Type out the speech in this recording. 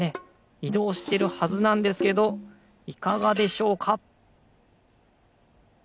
いどうしてるはずなんですけどいかがでしょうか？